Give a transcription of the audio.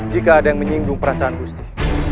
jika ada yang menyinggung perasaan gusti